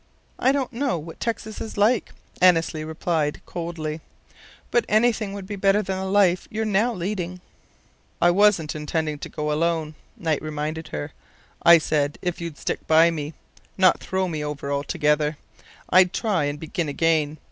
"I don't know what Texas is like," Annesley replied, coldly. "But anything would be better than the life you're leading now." "I wasn't intending to go alone," Knight reminded her. "I said, if you'd stick by me, not throw me over altogether, I'd try and begin again.